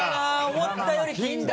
思ったより禁断。